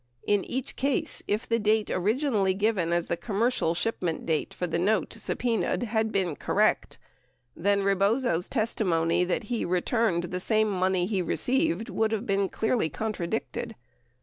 In each case, if the date origi nally given as the commercial shipment date for the note subpenaed had been correct, then Rebozo's testimony that he returned the same money he received would have been clearly contradicted.